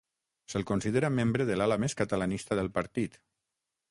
Se'l considera membre de l'ala més catalanista del partit.